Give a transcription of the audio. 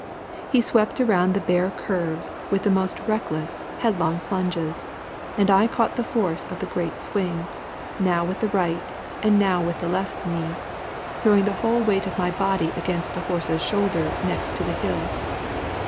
He swept around the bare curves with the most reckless, headlong plunges, and I caught the force of the great swing, now with the right, and now with the left knee, throwing the whole weight of my body against the horse's shoulder next to the hill.